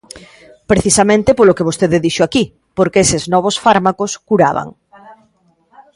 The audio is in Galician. Precisamente polo que vostede dixo aquí, porque eses novos fármacos curaban.